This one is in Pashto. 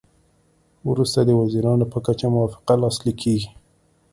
وروسته د وزیرانو په کچه موافقه لاسلیک کیږي